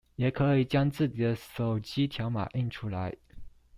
也可以將自己的手機條碼印出來